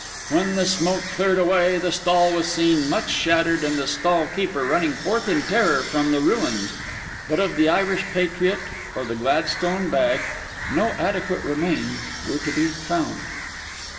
When the smoke cleared away the stall was seen much shattered, and the stall keeper running forth in terror from the ruins; but of the Irish patriot or the Gladstone bag no adequate remains were to be found.